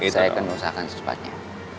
saya akan berusaha akan secepatnya